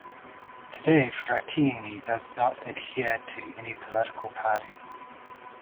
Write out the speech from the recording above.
Today Frattini does not adhere to any political party.